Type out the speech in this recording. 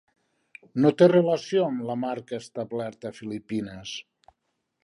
No té relació amb la marca establerta a Filipines.